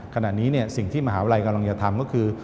ขณะนี้สิ่งที่มหาวิทยาลัยกำลังจะทำก็คือ